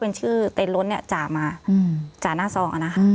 พี่เรื่องมันยังไงอะไรยังไง